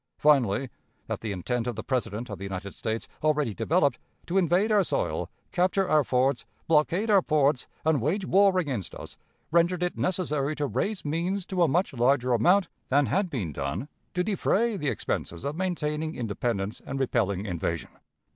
Finally, that the intent of the President of the United States, already developed, to invade our soil, capture our forts, blockade our ports, and wage war against us, rendered it necessary to raise means to a much larger amount than had been done, to defray the expenses of maintaining independence and repelling invasion.